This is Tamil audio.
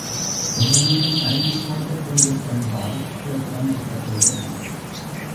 எதனையும் தள்ளிப் போட்டுக்கொண்டு சென்றால் தேக்கம் ஏற்பட்டுவிடும்.